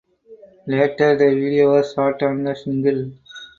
Later the video was shot on the single.